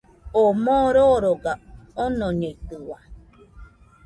Oo moo roroga, onoñeitɨua